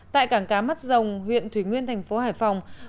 tại cảng cá mắt rồng huyện thủy nguyên thành phố hải phòng